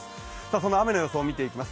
その雨の予想見ていきます。